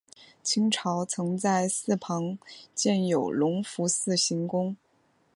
清朝曾在寺旁建有隆福寺行宫。